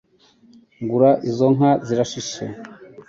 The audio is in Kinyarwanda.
Gura izo nka zirashishe